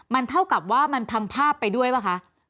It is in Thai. มันเท่ากับว่ามันพังภาพไปด้วยป่ะคะ